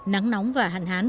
nắng nóng và hạn hán